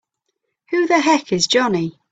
Who the heck is Johnny?!